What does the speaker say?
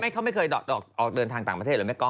เขาไม่เคยออกเดินทางต่างประเทศหรือไหมก้อง